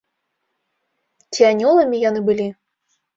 Ці анёламі яны былі?